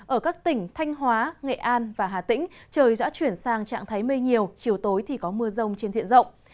ở các tỉnh thanh hóa nghệ an và hà tĩnh trời đã chuyển sang trạng thái mê nhiều chiều tối thì có mưa rông trên diện rộng